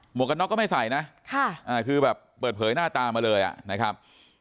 วกกันน็อกก็ไม่ใส่นะคือแบบเปิดเผยหน้าตามาเลยนะครับ